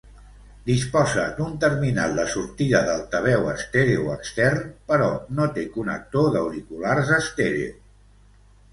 Disposa d'un terminal de sortida d'altaveu estèreo extern però no té connector d'auriculars estèreo.